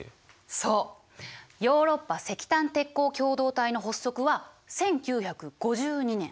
そうヨーロッパ石炭鉄鋼共同体の発足は１９５２年。